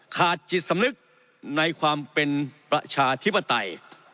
ขาดจิตสำนึกในความเป็นประชาธิปไตย